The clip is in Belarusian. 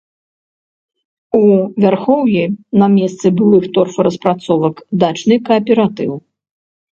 У вярхоўі на месцы былых торфараспрацовак дачны кааператыў.